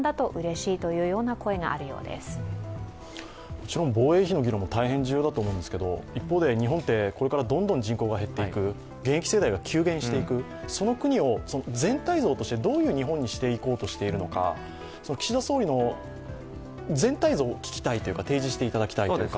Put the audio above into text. もちろん防衛費の議論も大変重要だと思うんですけれども、一方で日本ってこれからどんどん人口が減っていく、現役世代が急減していく、その国を全体像としてどういう日本にしていこうとしているのか、岸田総理の全体像を聞きたいというか提示していただきたいというか。